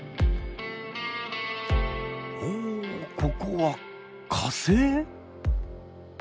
おここは火星！？